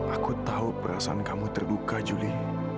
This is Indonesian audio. aku tahu perasaan kamu terduka julie